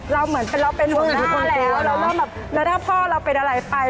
เราเหมือนว่าเราเป็นห่วงหน้าแล้วแล้วเริ่มแบบแล้วถ้าพ่อเราเป็นอะไรไป